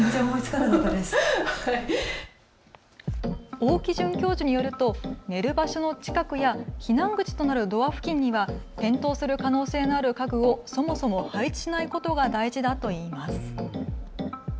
大木准教授によると寝る場所の近くや避難口となるドア付近には転倒する可能性のある家具をそもそも配置しないことが大事だといいます。